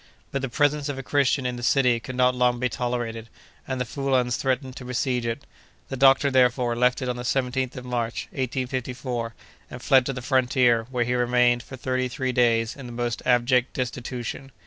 But the presence of a Christian in the city could not long be tolerated, and the Foullans threatened to besiege it. The doctor, therefore, left it on the 17th of March, 1854, and fled to the frontier, where he remained for thirty three days in the most abject destitution.